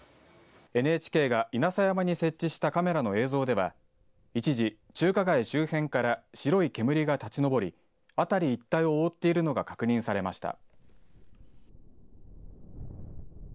ＮＨＫが稲佐山に設置したカメラの映像では一時、中華街周辺から白い煙が立ち上り辺り一帯を覆っているのが確認されました。